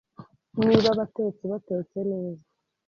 niba abatetsi batetse neza.